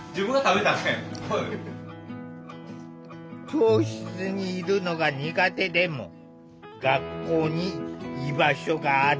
教室にいるのが苦手でも学校に居場所がある。